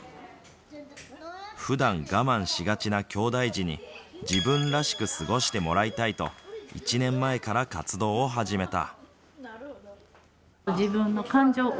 ふだん我慢しがちなきょうだい児に自分らしく過ごしてもらいたいと１年前から活動を始めた。